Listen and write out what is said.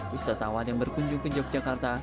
wisatawan yang berkunjung ke yogyakarta